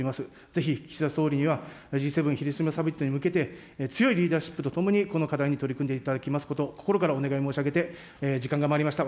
ぜひ、岸田総理には、Ｇ７・広島サミットに向けて、強いリーダーシップとともに、この課題に取り組んでいただきますことを、心からお願い申し上げて、時間がまいりました。